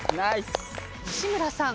西村さん。